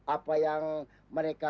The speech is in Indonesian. apa yang mereka